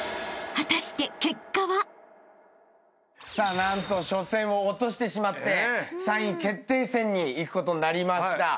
なんと初戦を落としてしまって３位決定戦にいくことになりました。